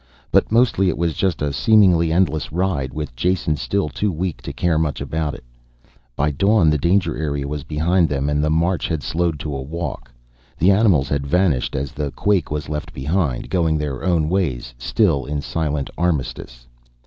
But mostly it was just a seemingly endless ride, with Jason still too weak to care much about it. By dawn the danger area was behind them and the march had slowed to a walk. The animals had vanished as the quake was left behind, going their own ways, still in silent armistice.